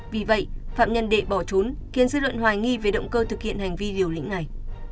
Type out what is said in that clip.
vì vậy phạm nhân đệ bỏ trốn khiến dư luận hoài nghi về động cơ thực hiện hành vi liều lĩnh này